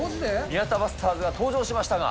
宮田バスターズが登場しましたが。